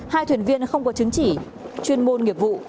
hai thuyền viên không có chứng chỉ chuyên môn nghiệp vụ